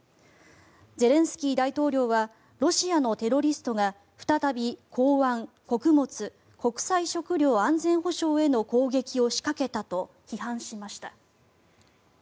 ゼレンスキー大統領はロシアのテロリストが再び港湾、穀物国際食料安全保障への攻撃を仕掛けたと批判しました。